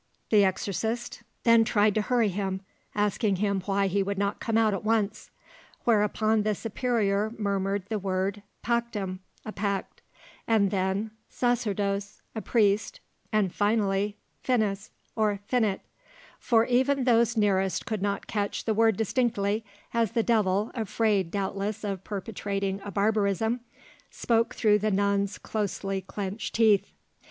The exorcist then tried to hurry him, asking him why he would not come out at once; whereupon the superior murmured the word "Pactum" (A pact); and then "Sacerdos" (A priest), and finally "Finis," or "Finit," for even those nearest could not catch the word distinctly, as the devil, afraid doubtless of perpetrating a barbarism, spoke through the nun's closely clenched teeth.